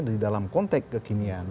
dari dalam konteks kekinian